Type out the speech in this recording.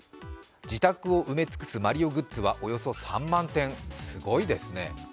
自宅を埋め尽くすマリオグッズはおよそ３万点、すごいですね。